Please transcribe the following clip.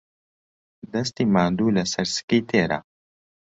دەستی ماندوو لەسەر سکی تێرە